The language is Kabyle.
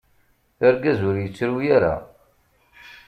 Argaz ur yettru ara.